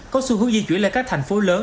có xu hướng di chuyển lên các thành phố lớn